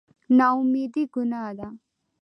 نااميدي ګناه ده